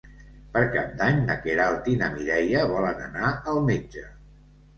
Per Cap d'Any na Queralt i na Mireia volen anar al metge.